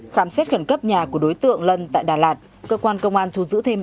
khám xét khẩn cấp nhà của đối tượng lân tại đà lạt